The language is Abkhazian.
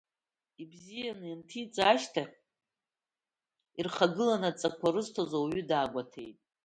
Ибзиаӡаны ианҭиҵаа ашьҭахь ирхагыланы адҵақәа рызҭоз ауаҩы даагәеиҭеит.